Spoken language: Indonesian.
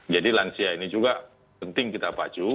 jadi lansia ini juga penting kita pacu